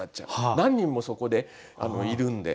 何人もそこでいるんで。